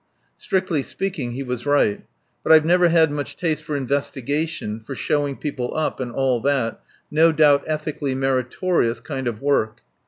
Strictly speaking, he was right. But I've never had much taste for investigation, for showing people up and all that no doubt ethically meritorious kind of work.